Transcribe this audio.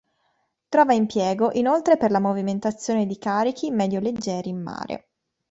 Trova impiego, inoltre per la movimentazione di carichi medio-leggeri in mare.